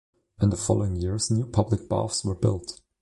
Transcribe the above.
In the following years, new public baths were built.